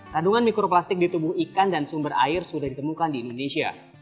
kandungan mikroplastik di tubuh ikan dan sumber air sudah ditemukan di indonesia